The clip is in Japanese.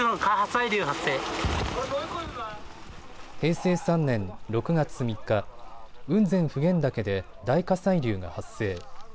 平成３年６月３日、雲仙・普賢岳で大火砕流が発生。